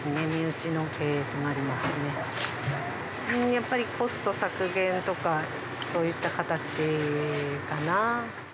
やっぱりコスト削減とかそういった形かな。